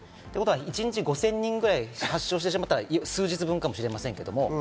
一日５０００人ぐらい発症してしまったら数日分かもしれませんけど。